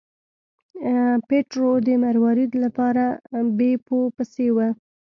پیټرو د مروارید لپاره بیپو پسې و.